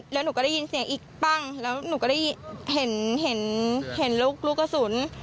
แล้วหนูก็ได้ยินเสียงอีกปั้งแล้วหนูก็ได้เห็นเห็นลูกกระสุน